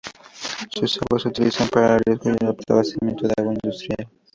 Sus aguas se utilizan para el riego y abastecimiento de agua industrial.